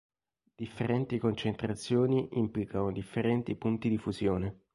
Differenti concentrazioni implicano differenti punti di fusione.